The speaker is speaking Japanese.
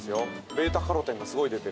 ベータカロテンがすごい出てる。